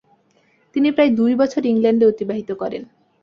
তিনি প্রায় দুই বছর ইংল্যান্ডে অতিবাহিত করেন।